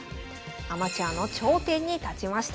アマチュアの頂点に立ちました。